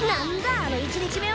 あの１日目は！